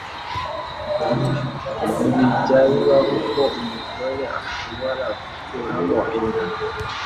Bijya bibaho ko umugore ashobora gukuramo inda